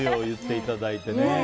言っていただいてね。